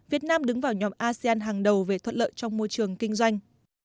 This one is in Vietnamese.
việt nam đứng vào nhóm asean hàng đầu về thuận lợi trong môi trường kinh doanh